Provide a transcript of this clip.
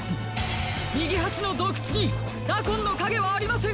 みぎはしのどうくつにダコンのかげはありません！